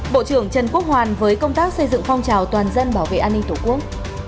bộ trưởng trần quốc hoàn với công tác xây dựng phong trào toàn dân bảo vệ an ninh tổ quốc